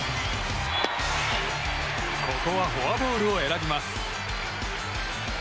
ここはフォアボールを選びます。